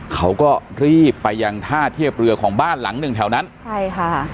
เขาก็รีบไปยังท่าเทียบเรือของบ้านหลังหนึ่งแถวนั้นใช่ค่ะ